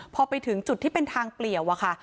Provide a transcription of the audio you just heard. พอไปถึงจุดที่เป็นทางเปลี่ยวอะค่ะ